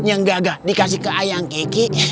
yang gagah dikasih ke ayang keki